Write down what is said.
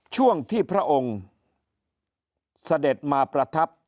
ช่วงที่พระองค์เสด็จมาประทับ